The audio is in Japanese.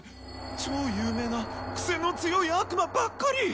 超有名なクセの強い悪魔ばっかり！